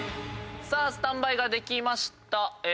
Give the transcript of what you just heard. スタンバイができました。